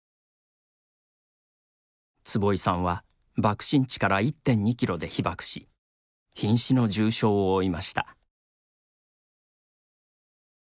坪井さんは爆心地から１．２キロで被爆しひん死の重傷を負いました。